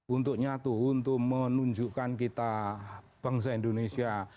untuk nyatu untuk menunjukkan kita bangsa indonesia